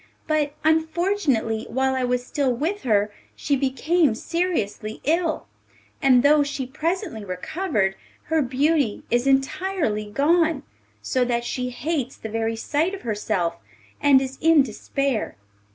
But, unfortunately, while I was still with her she became seriously ill, and though she presently recovered, her beauty is entirely gone, so that she hates the very sight of herself, and is in despair.